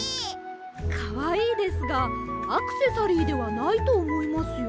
かわいいですがアクセサリーではないとおもいますよ。